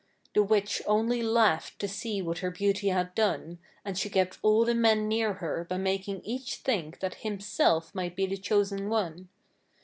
The witch only laughed to see what her beauty had done, and she kept all the men near her by making each think that himself might be the chosen one.